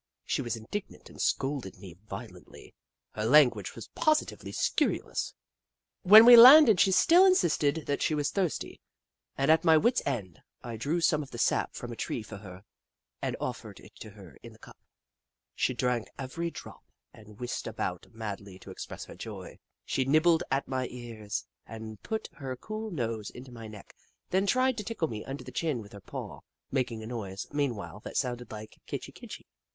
She was indignant and scolded me violently — her language was positively scurrilous. When we landed she still insisted that she was thirsty, and, at my wits' end, I drew some of the sap from a tree for her and offered it to her in the cup. She drank every drop and whisked about madly to express her joy. She nibbled at my ears and put her cool nose into my neck, then tried to tickle me under the chin with her paw, making a noise, meanwhile, that sounded like " Kitchi Kitchi."